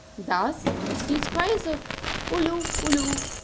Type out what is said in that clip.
Thus these cries of _Ulu! Ulu!